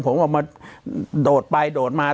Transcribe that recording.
ผมออกมาโดดไปโดดมา